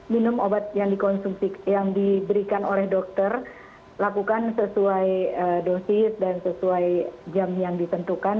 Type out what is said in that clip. minum obat yang diberikan oleh dokter lakukan sesuai dosis dan sesuai jam yang ditentukan